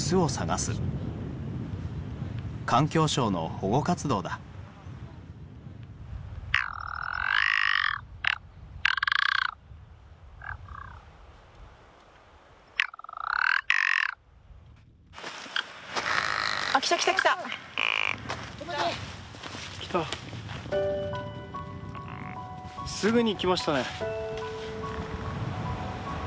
すぐに来ましたね。